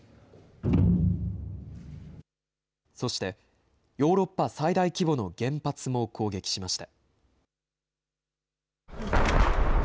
そして、ヨーロッパ最大規模の原発も攻撃しました。